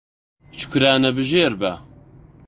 شوکرانەبژێر بە